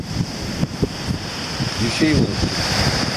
Bir şey unuttun.